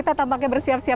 terima kasih banyak